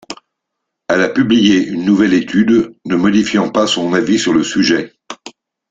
Elle a publié une nouvelle étude ne modifiant pas son avis sur le sujet.